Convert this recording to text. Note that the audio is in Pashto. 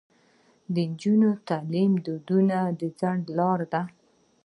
د نجونو تعلیم د ودونو ځنډ لاره ده.